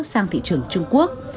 sang thị trường trung quốc